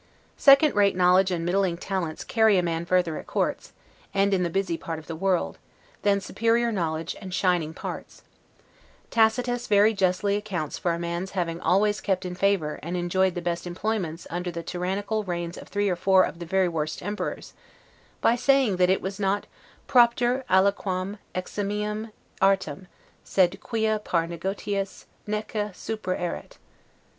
Second rate knowledge and middling talents carry a man further at courts, and in the busy part of the world, than superior knowledge and shining parts. Tacitus very justly accounts for a man's having always kept in favor and enjoyed the best employments under the tyrannical reigns of three or four of the very worst emperors, by saying that it was not 'propter aliquam eximiam artem, sed quia par negotiis neque supra erat'.